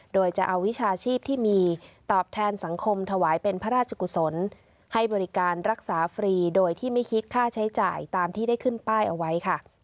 โดยจะเอาวิชาชีพที่มีตอบแทนสังคมถวายเป็นพระราชกุศลให้บริการรักษาฟรีโดยที่ไม่คิดค่าใช้จ่ายตามที่ได้ขึ้นป้ายเอาไว้ค่ะ